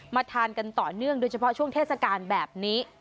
ทานกันต่อเนื่องโดยเฉพาะช่วงเทศกาลแบบนี้